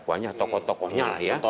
tukangnya tokoh tukohnya lah ya